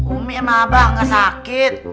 umi sama abah gak sakit